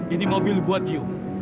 ini mobil buat kamu